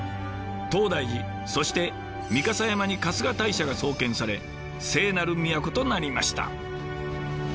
東大寺そして御蓋山に春日大社が創建され「聖なる都」となりました。